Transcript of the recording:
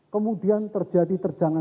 kemudian terjadi terjangan